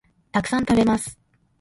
たくさん、食べます